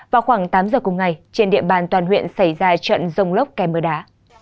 vào khoảng tám giờ cùng ngày trên địa bàn toàn huyện xảy ra trận rông lốc kèm mưa đá